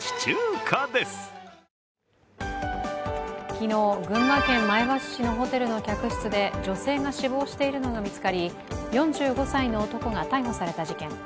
昨日、群馬県前橋市のホテルの客室で女性が死亡しているのが見つかり４５歳の男が逮捕された事件。